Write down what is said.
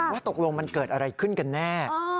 ว่าตกลงมันเกิดอะไรขึ้นกันแน่